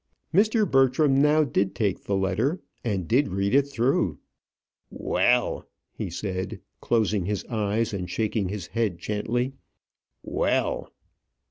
Mr. Bertram now did take the letter, and did read it through. "Well!" he said, closing his eyes and shaking his head gently. "Well!"